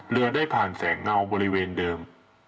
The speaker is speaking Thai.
เรือได้ผ่านแสงเงาบริเวณเดิม